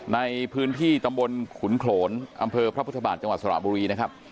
ในพื้นที่ตำบลขุนโขนอำเภอพระพุทธบาทจังหวัดสระบุรีนะครับ